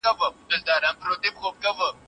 د حملې وروسته کس رواني ستړیا تجربه کوي.